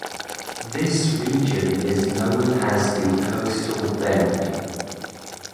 This region is known as the Coastal Bend.